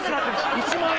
１万円！